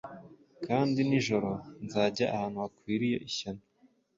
Kandi, nijoro, nzajya ahantu hakwiriye ishyano,